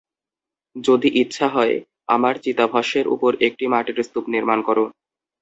যদি ইচ্ছা হয়, আমার চিতাভস্মের উপর একটি মাটির স্তূপ নির্মাণ কর।